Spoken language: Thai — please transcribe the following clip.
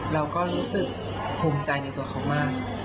เราก็รู้สึกภูมิใจในตัวเขามาก